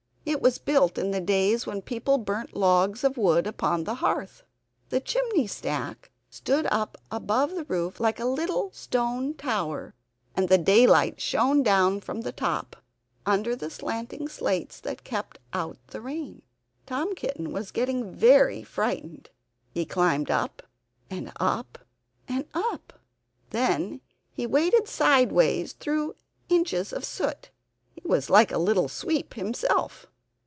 It was built in the days when people burnt logs of wood upon the hearth. The chimney stack stood up above the roof like a little stone tower, and the daylight shone down from the top, under the slanting slates that kept out the rain. Tom Kitten was getting very frightened! He climbed up, and up, and up. Then he waded sideways through inches of soot. He was like a little sweep himself.